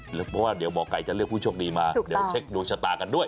เพราะว่าเดี๋ยวหมอไก่จะเลือกผู้โชคดีมาเดี๋ยวเช็คดวงชะตากันด้วย